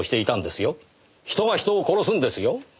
人が人を殺すんですよ。